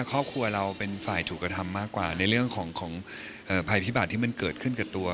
ครอบครัวเราเป็นฝ่ายถูกกระทำมากกว่าในเรื่องของภัยพิบัติที่มันเกิดขึ้นกับตัว